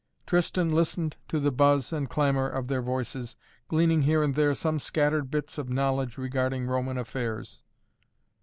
Tristan listened to the buzz and clamor of their voices, gleaning here and there some scattered bits of knowledge regarding Roman affairs.